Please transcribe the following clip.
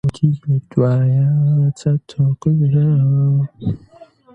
بۆچی پێت وایە چەتۆ کوژراوە؟